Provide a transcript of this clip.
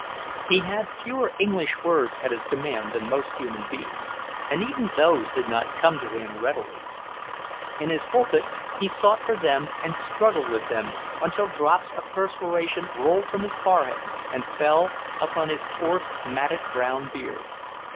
He had fewer English words at his command than most human beings, and even those did not come to him readily. In his pulpit he sought for them and struggled with them until drops of perspiration rolled from his forehead and fell upon his coarse, matted brown beard.